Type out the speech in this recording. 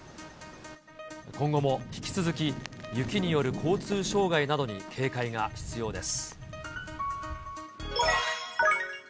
今後も引き続き、雪による交通障害などに警戒が必要です。